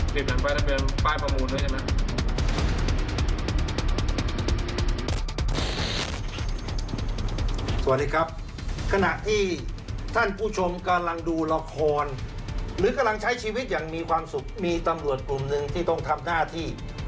สวัสดีครับขณะที่ท่านผู้ชมกำลังดูละครหรือกำลังใช้ชีวิตอย่างมีความสุขมีตำรวจกลุ่มหนึ่งที่ต้องทำหน้าที่